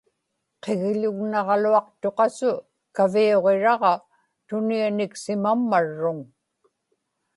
qigḷugnaġaluaqtuq-asu kaviuġiraġa tunianiksimammarruŋ